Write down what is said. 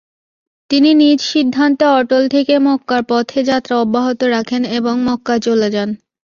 তিনি নিজ সিদ্ধান্তে অটল থেকে মক্কার পথে যাত্রা অব্যহত রাখেন এবং মক্কায় চলে যান।